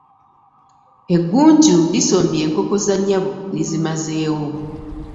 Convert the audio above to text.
Eggunju lisombye enkoko za nnyabo lizimazeewo.